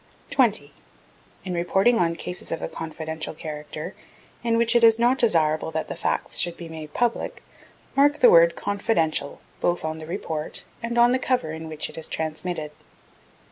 20. In reporting on cases of a confidential character, in which it is not desirable that the facts should be made public, mark the word "confidential" both on the report and on the cover in which it is transmitted.